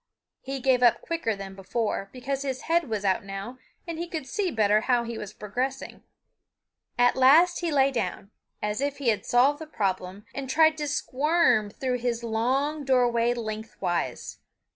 He gave up quicker than before, because his head was out now and he could see better how he was progressing. At last he lay down, as if he had solved the problem, and tried to squirm through his long doorway lengthwise.